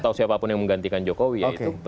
atau siapa pun yang menggantikan jokowi